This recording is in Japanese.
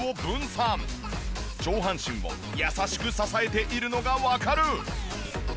上半身を優しく支えているのがわかる。